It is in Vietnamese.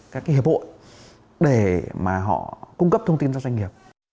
các hiệp hội để họ cung cấp thông tin cho doanh nghiệp